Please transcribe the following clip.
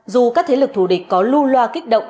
dù các thế lực thù địch có lưu loa kích động